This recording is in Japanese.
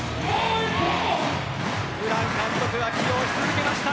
ブラン監督が起用し続けました。